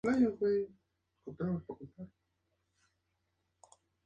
Se encuentra en el Atlántico oriental: desde Mauritania hasta Angola.